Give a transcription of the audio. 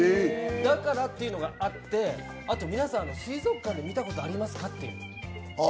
だからっていうのがあって、あと皆さん水族館で見たことありますかっていう。